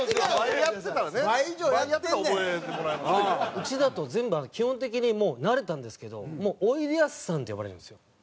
うちだと全部基本的にもう慣れたんですけど「おいでやすさん」って呼ばれるんですよ。